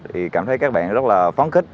thì cảm thấy các bạn rất là phóng kích